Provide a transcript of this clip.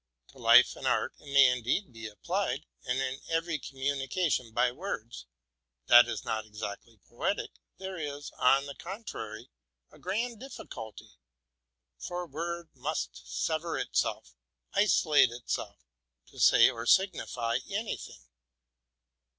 'To life and art it may indeed be applied: but in every communication by words, that is not exactly poetic, there is, on the contrary, a grand difficulty; for a word must sever itself, isolate itself, in order to say or signify any thing.